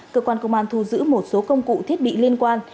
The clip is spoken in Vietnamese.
cơ quan công an thu giữ một số công cụ thiết bị liên quan